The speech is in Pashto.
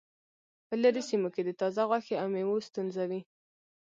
په لرې سیمو کې د تازه غوښې او میوو ستونزه وي